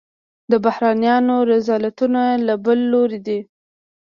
د بهرنیانو رذالتونه له بل لوري دي.